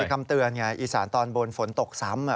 คำเตือนไงอีสานตอนบนฝนตกซ้ำ